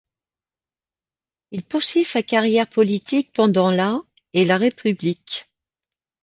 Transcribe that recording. Il poursuit sa carrière politique pendant la et la République.